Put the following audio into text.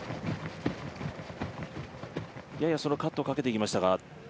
ややカットをかけてきましたか。